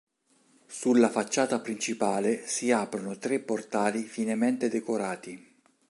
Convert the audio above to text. Sulla facciata principale si aprono tre portali finemente decorati.